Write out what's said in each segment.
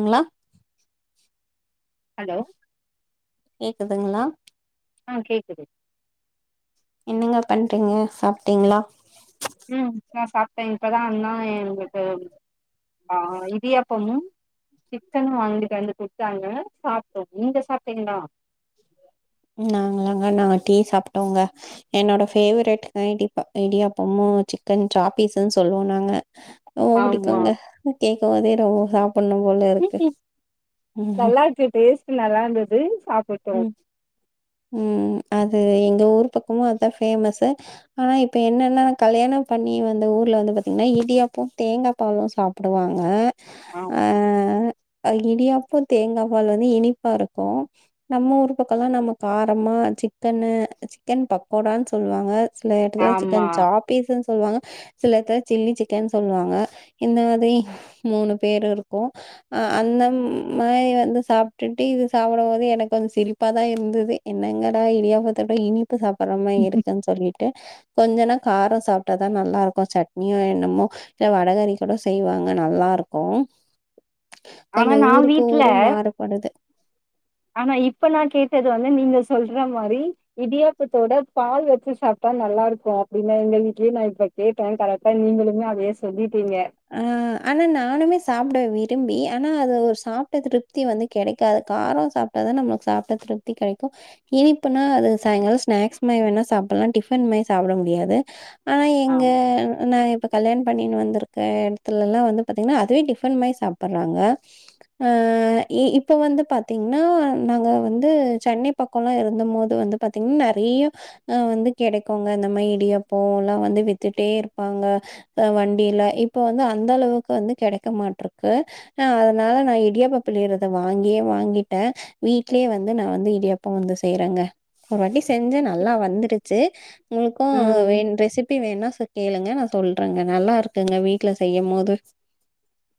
ங்ளா hello கேக்குதுங்ளா ஆ கேக்குது என்னங்க பண்றீங்க சாப்டீங்ளா உம் நா சாப்ட்டே இப்பதா அண்ணா எங்களுக்கு ஆ இடியாப்பமூ சிக்கன் வாங்கிட்டு வந்து குடுத்தாங்க சாப்ட்டோ நீங்க சாப்ட்டீங்களா நாங்களாங்க நாங்க டீ சாப்ட்டோங்க என்னோட ஃபேவரெட் இடிப்ப அ இடியாப்பமு சிக்கன் சாப்பீஸ்ன்னு சொல்லுவோ நாங்க ரொம்ப ஆமா புடிக்குங்க கேக்கு போதே ரொம்ப சாப்புட்னு போல இருக்கு ம் நல்லா இருக்கு டேஸ்ட் நல்லா இருந்தது சாப்புட்டோ ம் ம் அது எங்க ஊர் பக்கமு அதா ஃபேமஸ்ஸு ஆனா இப்ப என்னென்னா நா கல்யாணம் பண்ணி வந்த ஊர்ல வந்து பாத்திங்கன்னா இடியாப்பம் தேங்கா பாலு சாப் புடுவாங்க ஆமா அ இடியாப்போ தேங்கா பால் வந்து இனிப்பாருக்கு நம்ம ஊரு பக்கலா நம்ம காரமா சிக்கனு சிக்கன் பக்கோடான் சொல்லுவாங்க சில எடத்துல ஆமா சிக்கன் சாப்பீஸ்ன்னு சொல்லுவாங்க சில எட்த்ல சில்லி சிக்கன் சொல்லுவாங்க இந்த மாதி மூனு பேரு இருக்கு அ அந்த மாரி வந்து சாப்ட்டுட்டு இது சாப்புடபோது எனக்கு வந்து சிரிப் ப்பாதா இருந்துதே என்னங்கடா இடியாப்பத்தோட இனிப்பு சாப்பட்றமாரி இருக்குன் சொல்லிட் ட்டு கொஞ்சனா காரோ சாப்ட்டாதா நல்லாருக்கொ சட்னியு என்னமோ இல்ல வடகறி கூட செய்வாங்க நல்லாருக்கோ ஆனா கொஞ்சோ நா ஊருக்கு வீட்ல ஊரு மாறுபடுது ஆனா இப்ப நா கேட்டது வந்து நீங்க சொல்ற மாரி இடியாப்பத்தோட பால் வச்சு சாப்ட்டா நல்லாருக்கோ அப்டின்னு எங்க வீட்லயு நா இப்ப கேட்டே கரெக்டா நீங்களுமே அதயே சொல்லிட்டீங்கெ அ ஆனா நானுமே சாப்டுவே விரும்பி ஆனா அது ஒரு சாப்ட்ட திருப்தி வந்து கெடைக்காது காரோ சாப்ட்டா தா நம்மளுக் சாப்ட்ட திருப்தி கெடைக்கு இனிப்புனா அது சாய்ங்காலோ ஸ்நாக்ஸ் மாரி வேணா சாப்புட்லா டிஃபன் மாரி சாப்ட முடியாது ஆனா எங்க ஆமா நா இப்ப கல்யாணொ பண்ணினு வந்துரு எடத்துலல்லா வந்து பாத்திங்கன்னா அதுவே டிஃபன் மாதி சாப்புட்றாங்க அ இப்ப வந்து பாத்திங்னா நாங்க வந்து சென்னை பக்கோல்லா இருந்தம்போது வந்து பாத்திங்னா நெறைய அ வந்து கெடைக்கொங்க அந்த மாதி இடியாப்போ எல்லா வந்து வித்துட்டே இருப்பாங்க அ வண்டில இப்ப வந்து அந்த அளவுக்கு வந்து கெடைக்க மாட்ருக்கு அ அதுனால நா இடியாப்ப பிளியறத வாங்கியே வாங்கிட்டே வீட்லே வந்து நா வந்து இடியாப்போ வந்து செய்றேங்க ஒரு வாட்டி செஞ்சு நல்லா வந்துருச்சு உங்குள்க்கு ம் வே ரெசிபி வேணா கேளுங்க நா சொல்றேங்க நல்லா இருக்குங்க வீட்ல செய்யு போது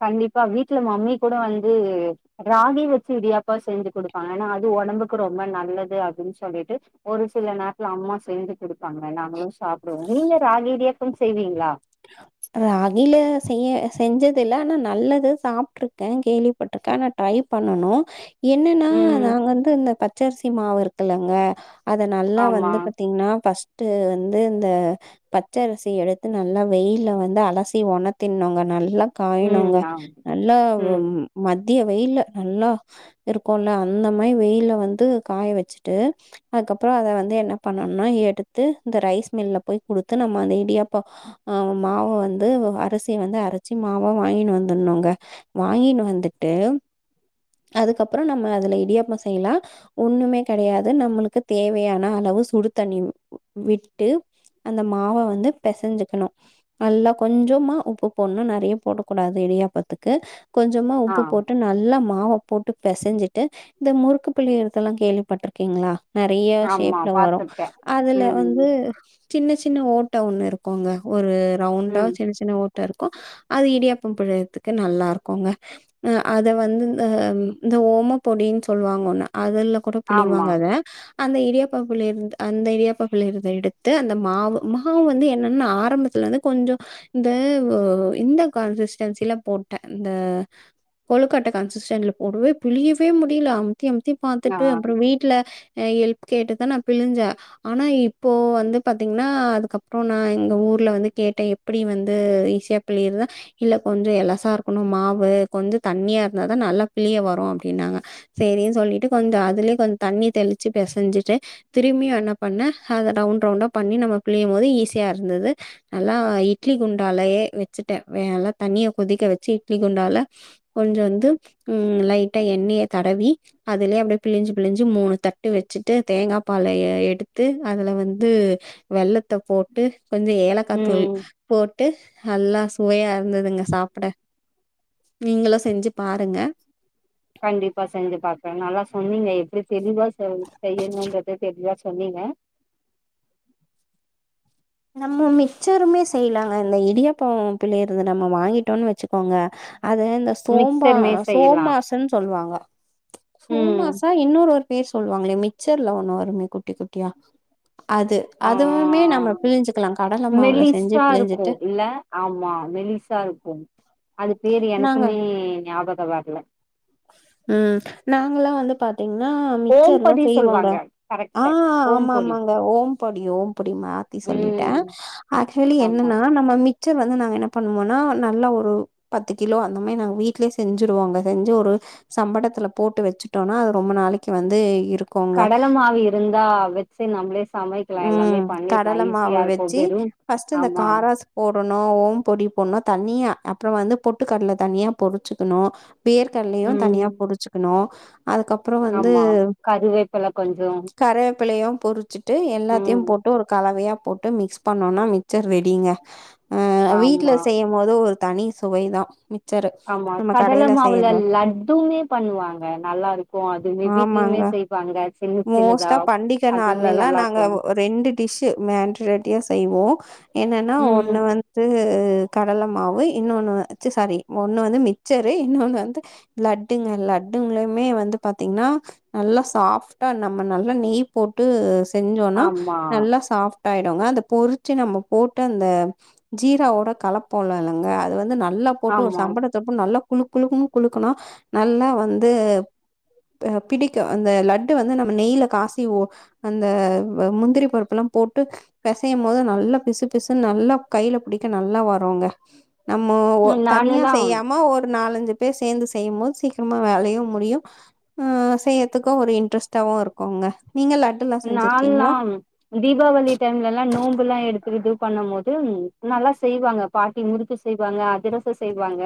கண்டிப்பா வீட்டுல மம்மி கூட வந்து ராகி வச்சு இடியாப்பா செஞ்சு குடுப்பாங்க ஏனா அது ஒடம்புக்கு ரொம்ப நல்லது அப்டின் சொல்லிட்டு ஒரு சில நேர்த்ல அம்மா செஞ்சு குடுப்பாங்க நாங்களு சாப்டுவோ நீங்க ராகி இடியாப்பம் செய்வீங்ளா ராகில செய்ய செஞ்சதுல்ல ஆனா நல்லது சாப்ட்ருக்கே கேளி பட்டுருக் ஆனா ட்ரை பண்ணனு என்னன்னா ம் நாங்க வந்து இந்த பச்சரிசி மாவு இருக்குலங்க அத நல்லா ஆமா வந்து பாத்திங்கன்னா ஃபஸ்ட்டு வந்து இந்த பச்சரிசி எடுத்து நல் நல்லா வெயில்ல வந்து அலசி ஒணத்தின்னுங்க நல்லா ம் காயனுங்க ஆ நல்லா ம் மத்திய வெயில்ல நல்லா இருக்குல அந்த மாதி வெயில்ல வந்து காய வச்சுட்டு அதுக்கப்பறோ அத வந்து என்ன பண்ணனுனா எடுத்து இந்த ரைஸ் மில்ல போய் குடுத்து நம்ம அந்த இடியாப்ப ஆ மாவ வந்து அரிசிய வந்து அரச்சு மாவா வாங்கின்னு வந்துர்னுங்க வாங்கின்னு வந்துட்டு அதுக்கப்பறோ நாம்ம அதுல இடியாப்போ செய்லா ஒன்னுமே கெடையாது நம்மளுக்கு தேவையான அளவு சுடு தண்ணி விட்டு அந்த மாவ வந்து பெசஞ்சிக்கணு நல்லா கொஞ்சமா உப்பு பொடனு நறைய போடக கூடாது இடியாப்பத்துக்கு கொஞ்சமா ஆ உப்பு போட்டு நல்லா மாவ போட்டு பெசஞ்சுட்டு இந்த முறுக்கு பிளிரதெல்லா கேள்விப்பட்ருக்கீங்ளா நெறைய ஆமா ஷேப்ல வரு பாத்துருக்கே அதுல ம் வந்து சின்ன சின்ன ஓட்ட ஒண்ணு இருக்கோங்க ஒரு ரவுண்டா ம் சின்ன சின்ன ஓட்ட இருக்கோ அது இடியாப்போ பிளிறதுக்கு நல்லாருக்குங்க அத வந்து இந்த இந்த ஓம பொடின்னு சொல்லுவாங்க ஒன்ன அதுல கூட ஆமா பிளிவாங்க அத அந்த இடியாப்ப பிளீறது அந்த இரியாப்ப பிளீறத எடுத்து அந்த மாவு மாவு வந்து என்னன்ன ஆரம்பத்துல வந்து கொஞ்சோ இந்த இந்த கன்சிஸ்டன்சில போட்ட இந்த கொழுக்கட்ட கன்சிஸ்டன்ல போடுவே பிலியவே முடியல அமுத்தி அமுத்தி ஆ பாத்துட்டு அப்புறோ வீட் ட்ல எல்ப் கேட்டுதா நா பிழுஞ்ச ஆனா இப்போ வந்து பாத்தீங்ன்னா அதுக்கப்புறோ நா எங்க ஊர் குள வந்து கேட்டே எப்டி வந்து ஈஸியா பிளிருது இல்ல கொஞ்சோ எலசா இருக்கணு மாவுகொஞ்சோ தண்ணியா இருந்தாதா நல்லா பிளிய வரு அப்டின்னாங்க செரின்னு சொல்லிட்டு கொஞ்சோ அதுலே கொஞ்சோ தண்ணிய தெளிச்சி பெசஞ்சிட்டு திரும்பியு என்ன பண்ண அத ரவுண்ட் ரவுண்டா பண்ணி நம்ம பிளியும் போது ஈஸியா இருந்தது நல்லா இட்லி குண்டாலயே வச்சுட்டே நல்லா தண்ணிய கொதிக்க வச்சு இட்லி குண்டால கொஞ்சோ ந்து ம் லைட்டா எண்ணிய தடவி அதுலே அப்டியே பிழிஞ்சு பிழிஞ்சு மூணு தட்டு வச்சுட்டு தேங்கா பால எடுத்து அதுல வந்து வெள்ளத்த போட்டு கொஞ்சோ ஏலக்கா தூள் ம் போட்டு நல்லா சுவையா இருந்ததுங்க சாப்ட நீங்களு செஞ்சு பாருங்க கண்டிப்பா செஞ்சு பாக்குறே நல்லா சொன்னீங்க எப்டி தெளிவா சோ செய்யணுன்றத தெளிவா சொன்னீங்க நம்ம மிச்சருமே செய்யலாங்க இந்த இடியப்போ பிளியரதா நம்ம வாங்கிட்டோன்னு வச்சுக்கோங்க அது இந்த ஸ் சோம்ப மிக்சர் மேரி செய்யலா சோமாசுன் சொல்லுவாங்க ம் சோமாசா இன்னொரு ஒரு பேர் சொல்லுவாங்களே மிச்சர்ல ஒண்ணு வருமே குட்டி குட்டியா அது அதுவுமே நம்ம பிழிஞ்சுக்கலா கடல மாவுல செஞ்சு மெலிஸா பிழிஞ்சிட்டு இருக்குஇல்ல ஆமா மெலிசா ருக்கு அது பேரு நாங்க எனக்குமே ஞாபக வர்ல ம் நாங்கலா வந்து பாத் எங்ன்னா மிச்சர் எல்லா ஓம்பொடி செய்வோங்க சொல்வாங்க ஆ கரெக்ட் ஆமா ஓம்பொடி ஆமாங்க ஓம் பொடி ஓம்பொடி மாத்தி சொல்லிட்டே ம் ஆக்சுலி ஆமா என்னன்னா நம்ம மிச்சர் வந்து நாங்க என்ன பண்ணுவோனா நல்லா ஒரு பத்து கிலோ அந்த மாரி நாங்க வீட்லே செஞ்சுருவோங்க செஞ்சு ஒரு சம்படத்துல போட்டு வச்சுட்டோனா அது ரொம்ப நாளைக்கி வந்து இருக் கடல மாவு இருந்தா வச்சு நம்மளே சமைக்லா எல்லாமே ம் பண்ணிட்லா ஈஸியா இருக்கு வெறு பஸ்டு இந்த ஆமா காரா ஸ் போடணு ஓம் பொடி போடணு தண்ணிய அப்புறோ வந்து பொட்டுக்கட்ல தனியா பொர்ச்சுக்கணு வேர்கல்லயு தனியா ம் பொடிச்சு கணு அதுக்கப்புறோ வந்து ஆமா கருவேப்பில கொஞ்சோ கரேப்பிலயு பொரிச் சுட்டு எல்லாத்தையு ம் போட்டு ஒரு கலவையா போட்டு மிக்ஸ் பண்ணுனா மிச்சர் ரெடிங்க அ வீட்ல ஆமா செய்யும் போது ஒரு தனி சுவைதா மிச்சரு ஆமா நம்ம கடல கடையில மாவுல செய்யறது லட்டுமே பண்ணுவாங்க நல்லா இருக் இருக்கு அதுவுமே வீட்லயுமே ஆமாங்க செய்வாங்க சின்ன சின்னதா மோஸ்ட்டா பண்டிக அதுமே நாள்லல்லா நல்லா நாங்க இருக்கு ரெண்டு டிஷ்ஷு மேண்டரட்டியா செய்வோ என்னன்னா ம் ஒன்னு வந்து கடலை மாவு இன்னொண்ணு ச்சு சாரி ஒண்ணு வந்து மிக்சரு இன்னொண்ணு வந்து லட்டுங்க லட்டுங்கலுமே வந்து பாத்தீங்கன்னா நல்லா சாப்ட்டா நம்ம நல்லா நெய் போட்டு செஞ்சோனா ஆமா நல்லா சாப் டாயிடுங்க அத பொறிச்சி நம்ம போட்டு அந்த ஜீரா ஒட கலப்போல இல்லங்க அது வந்து நல்லா போட்டு ஒரு ஆமா சம்படத்த போட்டு நல்லா குழு குழு கு குனா நல்லா வந்து பிடிக்க அந்த லட்டு வந்து நம்ம நெய்ல காசி ஓ அந்த முந்திரி பருப்பு எல்லா போட்டு பிசையு போது நல்லா பிசு பிசு நல்லா கையில புடிக்க நல்லா வருங்க நம்மோ தனியா நானுல்லா செய்யாம ஒரு நாலஞ்சு சேர்ந்து செய்யும் போது சீக்கிரமா வேலையு முடியு ஆ செய்யதுக்கு ஒரு இன்ட்ரெஸ்ட்டாவு இருக்கும்ங்க நீங்க லட் நாலல்லா தீபாவளி டைம்ல எல்லா நோன்பு எல்லா எடுத் து இது பண்ணு போது நல்லா செய்வாங்க பாட்டி முறுக்கு செய்வாங்க அதிரசம் செய்வாங்க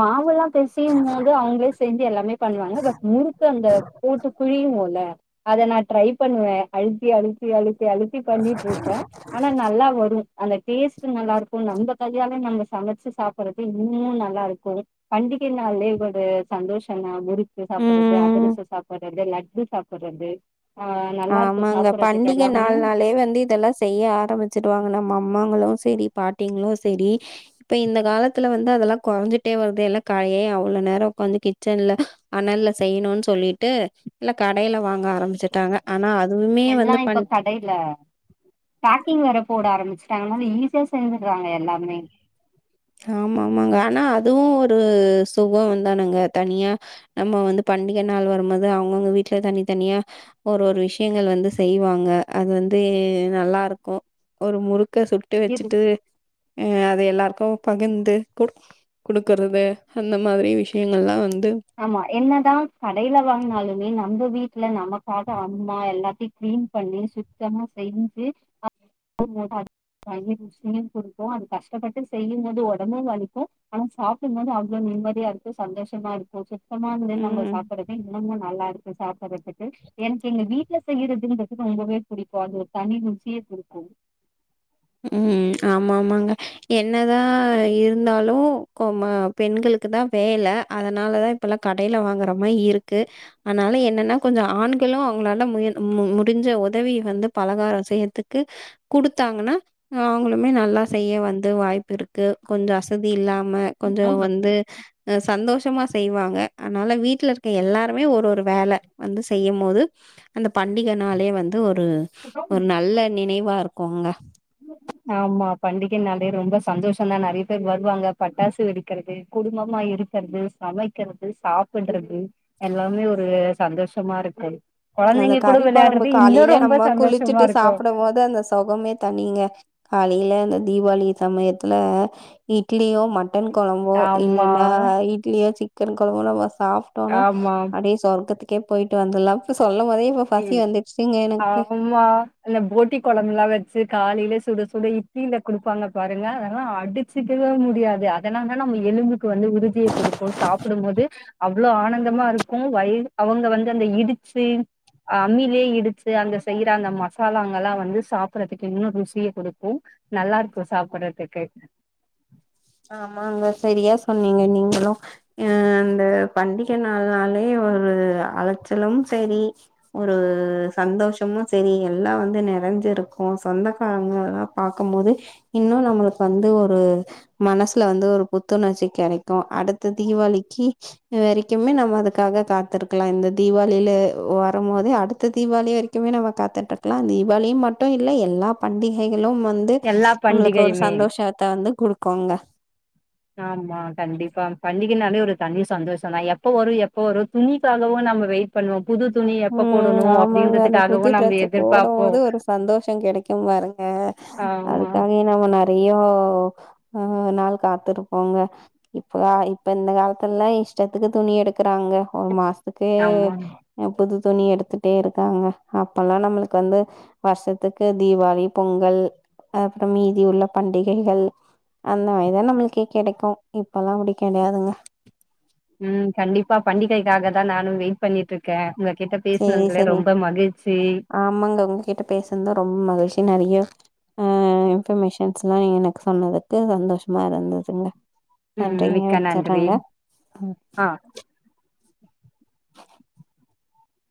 மாவுல்லா பெசயும் போது அவுங்களே செஞ்சு எல்லாமே பண்ணுவாங்க பட் முறுக்கு அந்த போட்டு புழியுவோம்ல அத நா ட்ரை பண்ணுவன் அழுத்தி அழுத்தி அழுத்தி அழுத்தி பண்ணிட்டு இருப்பே ஆனா நல்லா வரு அந்த டேஸ்ட்டு நல்லா இருக்கு நம்ம கையாலே நம்ம சமைச்சு சாப்பிடடுறது இன்னு நல்லா இருக்கு பண்டிகை நால்லே இது ஒரு சந்தோஷம்னா முறு க்கு சாப்டடுறது ம் அதிரசம் சாப்டடுறது லட்டு சாப்டடுறது ஆமாங்க பண்டிகை நாலு நாளே வந்து இதெல்லா செய்ய ஆரம்பிச்சிடுவாங்க நம்ம அம்மாங்களு சேரி பாட்டிங்களு சேரி இப்ப இந்த காலத்துல வந்து அதெல்லா குறைஞ்சுட்டே வருதுே எல்ல காலே ஏ அவ்ள நேரோ உட்காந்து கிச்சன்ல அனல்ல செய்யணும்ன்னு சொல்லிட்டு எல்லா கடையில வாங்க ஆரம்பிச்சுட்டாங்க ஆனா அதுவுமே வந்து எல்லாம் இப்ப பண் க ல்ல பேக்கிங் வேற போட ஆரம்பிச்சட்டாங்கனால ஈஸியா செஞ்சடுறாங்க எல்லாமே ஆமா ஆமாங்க ஆனா அதுவு ஒரு சுகம்ந்தானுங்க தனியா நம்ம வந்து பண்டிகை நாள் வரும்போது அவங்கவுங்க வீட்டுல தனி தனியா ஒரு ஒரு விஷயங்கள் வந்து செய்வாங்க அது வந்து நல்லா இருக்கு ஒரு முறுக்க சுட்டு இது வச்சுட்டு அ அது எல்லாருக்கு பகிர்ந்து கொடு கொடுக்குறது அந்த மாதிரி விஷயங்கள்லா வந்து ஆமா என்னதா கடையில வாங்கினாலுமே நம்ம வீட்டுல நமக்காக அம்மா எல்லாத்தையு கிளீன் பண்ணி சுத்தமா செஞ்சு உஹ ஷும் கொடுக்கு அது கஷ்டப்பட்டு செய்யு போது உடம்பு வலிக்கு ஆனா சாப்பிடும்போது அவ்ளோ நிம்மதியா இருக்கு சந்தோஷமா இருக்கு சுத்தமா இருந்த நம்ம ம் சா ப்பறது இன்னொமு நல்லா இருக்கு சாப்டறதுக்கு எனக்கு எங்க வீட்டு்ல செய்யறதுன்றது ரொம்பவே பிடிக்கு அது ஒரு தனி ரூசிய குடுக்கு ம் ஆமா ஆமாங்க என்னதா இருந்தாலு கொம பெண்களுக்கு தா வேல அதனால தா இப்போல்லா கடையில வாங்கிற மாரி இருக்கு அதனால என்னன்னா கொஞ்சோ ஆண்களு அவங்களால மு முடிஞ்ச உதவி வந்து பலகாரம் செய்யறத்துக்கு குடுத்தாங்கன்னா நாங்களுமே நல்லா செய்ய வந்து வாய்ப்பு இருக்கு கொஞ்சோ அசதி இல்லாம கொஞ்சோ வந்து ஆ சந்தோஷமா செய்வாங்க அதனால வீட்டுல இருக்க எல்லாருமே ஒரு ஒரு வேல வந்து செய்யும் போது அந்த பண்டிகைனாலே வந்து ஒரு ஒரு நல்ல நினைவா இருக்குங்க ஆமா பண்டிகைனாலே ரொம்ப சந்தோஷந்தா நெறைய பேர் வருவாங்க பட்டாசு வெடிக்கிறது குடும்பமா இரு க்கிறது சமைக்கிறது சாப்பிடுறது எல்லாமே ஒரு சந்தோஷமா இருக்கு அந்த கொழந்தைங்க கூட கறி கொழம்பு விளையாடுறது இன்னு காலையில ரொம்ப நம்ம சந்தோஷமா குளிச்சுட்டு இருக்கு சாப்டும்போது அந்த சொகமே தனிங்க காலையில அந்த தீவாளி சமயத்துல இட்லியோ மட் டன் கொழம்போ ஆமா இல்லன்னா இட்லியா சிக்கன் கொழம்போ நம்ம சாப் டோனா ஆமா அப்டியே சொர்க்கத்துக்கே போயிட்டு வந்துர்லா இப்ப சொல்லும்போதே ம் ஆமா அந்த போட்டி கொழம்பெல்லா வச்சு காலையில சுட சுட இட்லியில குடுப்பாங்க பாருங்க அதெல்லா அடுச் சிக்கவே முடியாது அதனாலதா நம்ம எலும்புக்கு வந்து உறுதிய குடுக்கு சாப்பிடும்போது அவ்ளோ ஆனந்தமா இருக்கு வயல் அவங்க வந்து அந்த இடிச்சு அம்மிலே இடிச்சு அங்க செய்யுற அந்த மசாலாங்களா வந்து சாப்பிறதுக்கு இன்னு ருசிய குடுக்கு நல்லா இருக்கு சாப்புடதுக்கு ஆமாங்க சரியா சொன்னீங்க நீங்களு அ அந்த பண்டிகை நாள்னாலே ஒரு அலைச்சலும் செரி ஒரு சந்தோஷமு செரி எல்லா வந்து நெறைஞ்சிருக்கு சொந்த காரங்கெல்லா பாக்கும்போதே இன்னு நம்ளுக்கு வந்து ஒரு மனசுல வந்து ஒரு புத்துணர்ச்சி கெடைக்கு அடுத்த தீவாளிக்கு இது வரைக்குமே நம்ம அதுக்காக காத்திருக்லா இந்த தீவாளில வரம்போதே அடுத்த தீவாளி வரைக் குமே நம்ம காத்துட்ருக்கலா தீவாளினு மட்டு இல்ல எல்லா பண்டிகைகளு வந்து வந்து எல்லா நம்மளுக்கு ஒரு பண்டிகையுமே. சந்தோஷத்த வந்து குடுக்குங்க ஆமா கண்டிப்பா பண்டிகைனாலே ஒரு தனி சந்தோஷதா எப்ப வரு எப்ப வரு துணிக்காகவு நம்ம வெயிட் பண்ணுவோ புது துணி எப்ப ம் போடணு ஆமாங்க அந்த புது அப்டின்றதுக்காகவு நம்ம எதிர்பாப்போ இங்க பாருங்க அதுக்காக என் நாங்க நெறையோ ம் நாள் காத்துருப்போங்க இப்பதா இப்ப இந்த காலத்துலல்லா இஷ்டத்துக்கு துணி எடுக்குறாங்கோ ஒரு மாச த்துக்கே ஆமா புது துணி எடுத்துட்டே இருக்காங்க அப்பல்லா நம்மளுக்கு வந்து வருஷத்துக்கு தீவாளி பொங்கல் அப்றோ மீதி உள்ள பண்டிகைகள் அந்த மாரிதா நம்மளுக்கு கெடைக்கு இப்பெல்லா அப்டி கெடையாதுங்க ம் கண்டிப்பா பண்டிகைக்காகதா நானு வெயிட் பண்ணிட்டு இருக்கே உங்க கிட்ட சேரி பேசினதுல சேரி ரொம்ப மகிழ்ச்சி ஆமாங்க உங்ககிட்ட பேசுனது ரொம்ப மகிழ்ச்சி நெறைய ம் ம் இன்ஃபர்மேஷன்ஸ்லா எனக்கு சொன்னதுக்கு சந்தோஷமா இருந்துதுங்க ம் நன்றிங்க மிக்க நன்றி வச்சறங்க ஆ